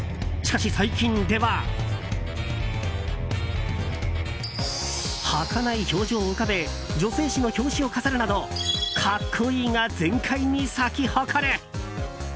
しかし、最近でははかない表情を浮かべ女性誌の表紙を飾るなど格好いいが全開に咲き誇る。